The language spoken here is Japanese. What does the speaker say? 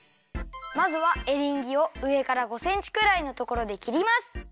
まずはエリンギをうえから５センチくらいのところできります。